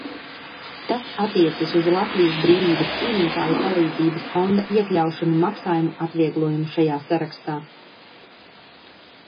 Tas attiecas uz Latvijas brīvības cīnītāju palīdzības fonda iekļaušanu maksājumu atvieglojumu šajā sarakstā.